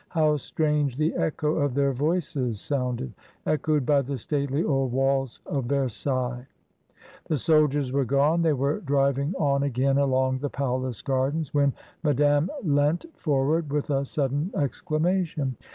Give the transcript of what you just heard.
How strange the echo of their voices sounded, echoed by the stately old walls of Ver sailles! The soldiers were gone; they were driving on again along the palace gardens, when Madame leant forward with a sudden exclamation.